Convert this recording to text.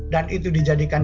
dan itu dijadikan